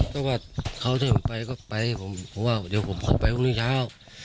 ก็ว่าเขาจะไปก็ไปผมว่าเดี๋ยวผมขอไปวันนี้เช้า